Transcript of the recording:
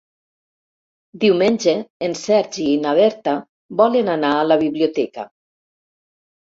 Diumenge en Sergi i na Berta volen anar a la biblioteca.